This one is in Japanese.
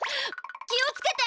気をつけて！